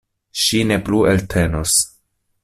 Ŝi ne plu eltenos.